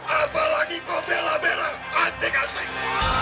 apalagi kau bela bela antik antik